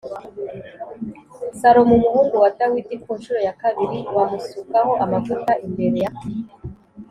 Salomo umuhungu wa Dawidi ku ncuro ya kabiri bamusukaho amavuta imbere ya